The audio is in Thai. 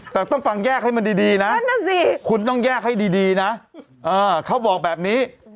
แต่ต้องฟังแยกให้มันดีนะสิคุณต้องแยกให้ดีนะเขาบอกแบบนี้